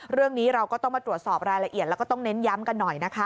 เรื่องนี้เราก็ต้องมาตรวจสอบรายละเอียดแล้วก็ต้องเน้นย้ำกันหน่อยนะคะ